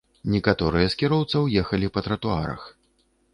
Некаторыя з кіроўцаў ехалі па тратуарах.